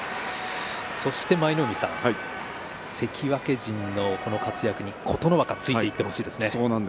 舞の海さん関脇陣の活躍に琴ノ若ついていってほしいですね。